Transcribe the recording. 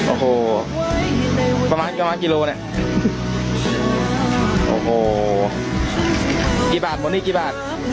โอ้โหประมาณประมาณกิโลเนี่ยโอ้โหกี่บาทบนนี้กี่บาท